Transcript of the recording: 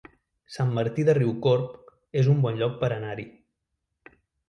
Sant Martí de Riucorb es un bon lloc per anar-hi